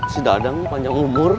si dadang panjang umur